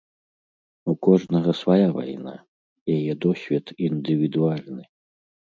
У кожнага свая вайна, яе досвед індывідуальны.